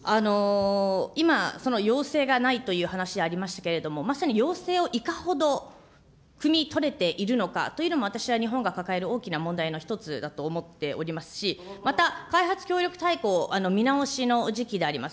今、その要請がないという話ありましたけれども、まさに要請をいかほどくみ取れているのかというのも、私は日本が抱える大きな問題の一つだと思っておりますし、また、開発協力大綱見直しの時期であります。